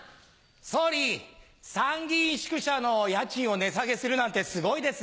総理参議院宿舎の家賃を値下げするなんてすごいですね。